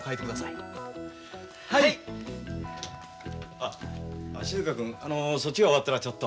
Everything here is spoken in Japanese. あっ足塚くんあのそっちが終わったらちょっと。